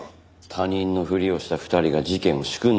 他人のふりをした２人が事件を仕組んだんですよ。